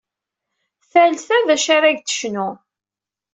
Tal ta d acu ar-ak-d tecnu!